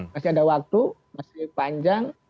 masih ada waktu masih panjang